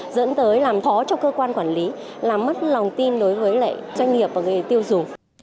dẫn tới làm khó cho cơ quan quản lý làm mất lòng tin đối với doanh nghiệp và người tiêu dùng